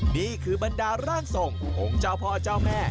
นี่คือบรรดาร่างทรงองค์เจ้าพ่อเจ้าแม่